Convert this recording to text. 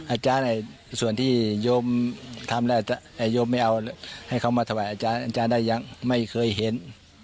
อาจารย์นี่ส่วนที่ยอมยอมไม่เอาให้เขามาถวายอาจารย์ได้ยังไม่เคยเห็น